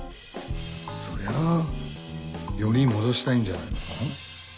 そりゃあより戻したいんじゃないのか？